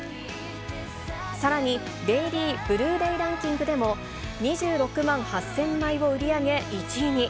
さらに、デイリーブルーレイランキングでも、２６万８０００枚を売り上げ、１位に。